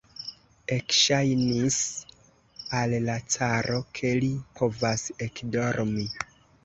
Ekŝajnis al la caro, ke li povas ekdormi.